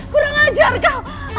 kurang ajar kau